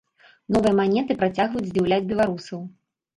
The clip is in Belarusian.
Новыя манеты працягваюць здзіўляць беларусаў.